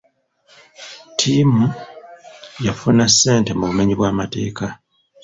Ttimu yafuna ssente mu bumenyi bw'amateeka.